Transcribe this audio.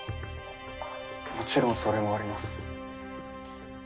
もちろんそれもあります。